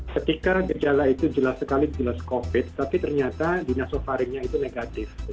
ketika gejala itu jelas sekali jelas covid tapi ternyata dinasofaringnya itu negatif